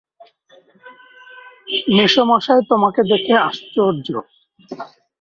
মেসোমশায় তোমাকে দেখে আশ্চর্য।